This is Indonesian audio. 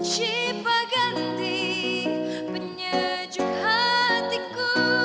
cipaganti penyejuk hatiku